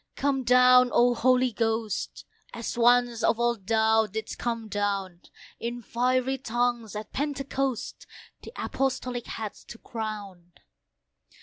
come down! O Holy Ghost! As once of old Thou didst come down In fiery tongues at Pentecost, The Apostolic heads to crown.